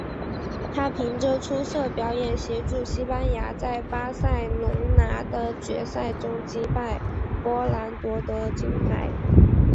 他凭着出色表现协助西班牙在巴塞隆拿的决赛中击败波兰夺得金牌。